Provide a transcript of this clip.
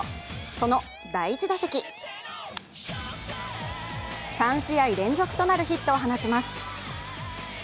その第１打席、３試合連続となるヒットを放ちます。